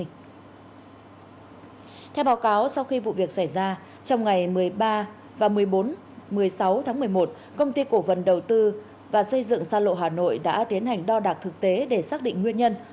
theo báo cáo sau khi vụ việc xảy ra trong ngày một mươi ba và một mươi sáu tháng một mươi một công ty cổ phần đầu tư và xây dựng xa lộ hà nội đã tiến hành đo đạc thực tế để xác định nguyên nhân